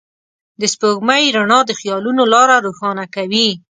د سپوږمۍ رڼا د خيالونو لاره روښانه کوي.